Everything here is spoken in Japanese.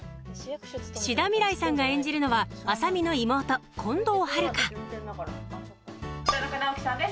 志田未来さんが演じるのは麻美の妹近藤遥田中直樹さんです